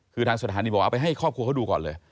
คือทางสถานีบอกเอาไปให้ครอบครัวเขาดูก่อนเลย